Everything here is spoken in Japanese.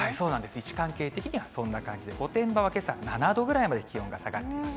位置関係的にはそんな感じで、御殿場はけさ７度ぐらいまで気温が下がっています。